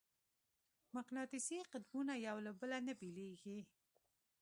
مقناطیسي قطبونه یو له بله نه بېلېږي.